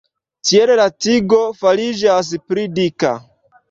Tiel la tigo fariĝas pli dika.